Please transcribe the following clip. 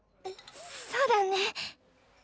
そうだね。